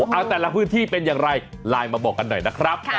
เอาแต่ละพื้นที่เป็นอย่างไรไลน์มาบอกกันหน่อยนะครับ